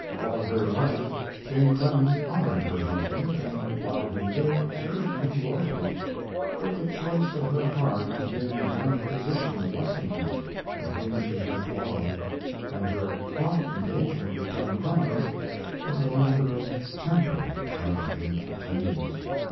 All her life, Jane Clemens honored her husband, and while he lived served him loyally; but the choice of her heart had been a young physician of Lexington with whom she had quarreled, and her prompt engagement with John Clemens was a matter of temper rather than tenderness.